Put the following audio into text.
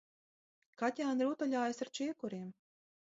Kaķēni rotaļājas ar čiekuriem.